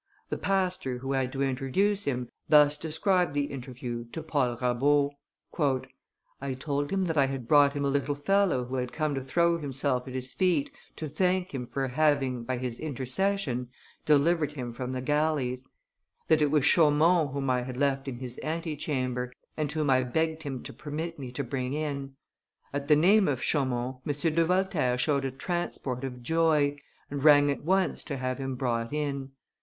The pastor, who had to introduce him, thus described the interview to Paul Rabaut: "I told him that I had brought him a little fellow who had come to throw himself at his feet to thank him for having, by his intercession, delivered him from the galleys; that it was Chaumont whom I had left in his antechamber, and whom I begged him to permit me to bring in. At the name of Chaumont M. de Voltaire showed a transport of joy, and rang at once to have him brought in.